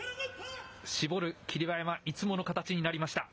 絞る、霧馬山、いつもの形になりました。